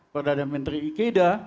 perdana menteri ikeida